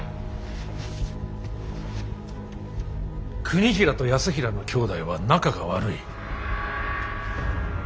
国衡と泰衡の兄弟は仲が悪い。